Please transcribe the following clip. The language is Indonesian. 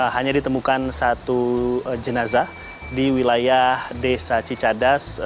hanya ditemukan satu jenazah di wilayah desa cicadas